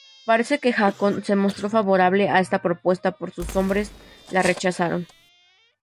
Parece que Haakon se mostró favorable a esta propuesta, pero sus hombres la rechazaron.